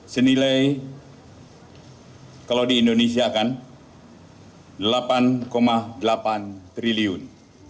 senilai kalau di indonesia kan delapan delapan triliun